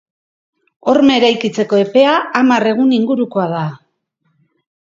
Horma eraikitzeko epea hamar egun ingurukoa da.